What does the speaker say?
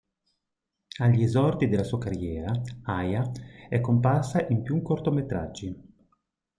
Agli esordi della sua carriera, Aja è comparsa in più cortometraggi.